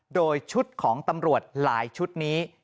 โดยชุดของตำรวจหลายชุดนี้